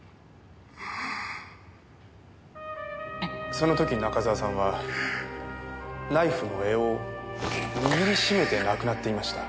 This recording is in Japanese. その時中沢さんはナイフの柄を握り締めて亡くなっていました。